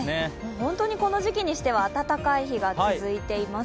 本当にこの時期にしては暖かい日が続いています。